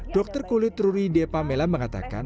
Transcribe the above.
dokter kulit ruri depamela mengatakan